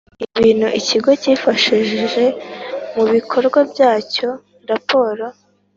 Ibintu ikigo cyifashishije mu bikorwa byacyo raporo